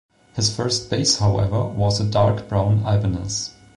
His first bass, however, was a dark brown Ibanez.